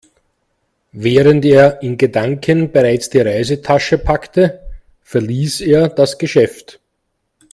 Während er in Gedanken bereits die Reisetasche packte, verließ er das Geschäft.